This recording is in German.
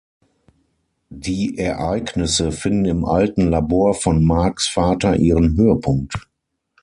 Die Ereignisse finden im alten Labor von Marks Vater ihren Höhepunkt.